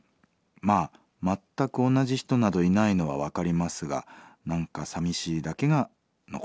まあ全く同じ人などいないのは分かりますが何か寂しいだけが残ります」。